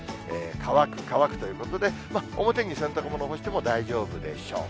乾く、乾くということで、表に洗濯物出しても大丈夫でしょう。